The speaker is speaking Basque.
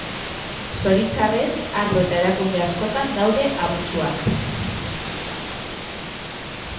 Zoritxarrez, arlo eta erakunde askotan daude abusuak.